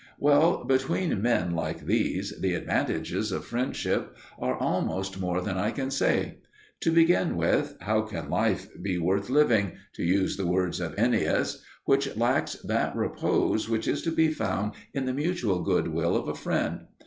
Well, between men like these the advantages of friendship are almost more than I can say. To begin with, how can life be worth living, to use the words of Ennius, which lacks that repose which is to be found in the mutual good will of a friend?